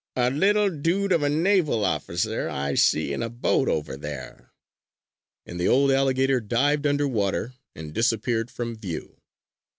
"A little dude of a naval officer I see in a boat over there!" and the old alligator dived under water and disappeared from view.